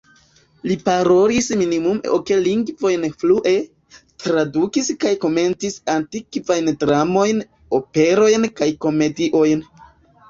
Li parolis minimume ok lingvojn flue, tradukis kaj komentis antikvajn dramojn, operojn kaj komediojn.